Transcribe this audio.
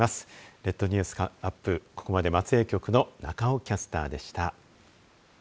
列島ニュースアップ、ここまで松江局の中尾キャスターでした。